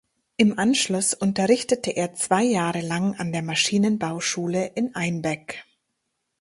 Im Anschluss unterrichtete er zwei Jahre lang an der Maschinenbauschule in Einbeck.